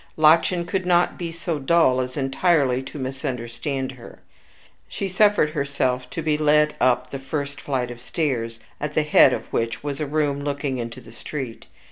Lottchen could not be so dull as entirely to misunderstand her. She suffered herself to be led up the first flight of stairs, at the head of which was a room looking into the street.